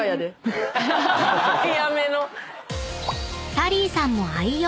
［サリーさんも愛用！